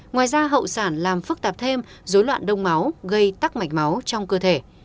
ngoài ra hậu sản làm phức tạp thêm dối loạn đông máu gây tắc mạch máu trong cơ thể